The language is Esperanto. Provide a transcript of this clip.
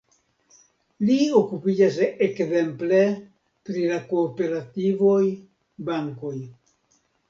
Li okupiĝas ekzemple pri la kooperativoj, bankoj.